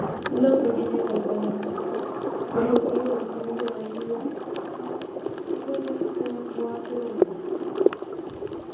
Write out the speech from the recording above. Una pequeña campana, colocado detrás de la línea, suena cada cuarto de hora.